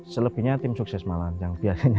selebihnya tim sukses malahan yang biasanya